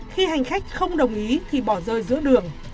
khi hành khách không đồng ý thì bỏ rơi giữa đường